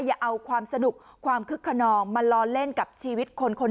อย่าเอาความสนุกความคึกขนองมาล้อเล่นกับชีวิตคนคน